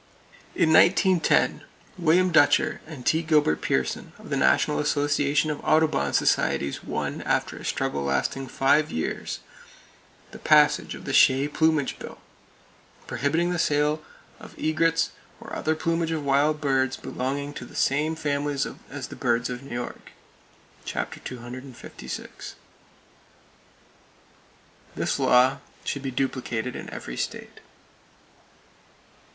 [Page 291] In 1910, William Dutcher and T. Gilbert Pearson and the National Association of Audubon Societies won, after a struggle lasting five years, the passage of the "Shea plumage bill," prohibiting the sale of aigrettes or other plumage of wild birds belonging to the same families as the birds of New York (Chap. 256). This law should be duplicated in every state.